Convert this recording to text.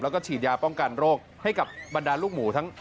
แล้วก็ฉีดยาป้องกันโรคให้กับบรรดาลูกหมูทั้ง